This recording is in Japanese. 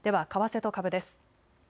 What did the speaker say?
では為替と株です。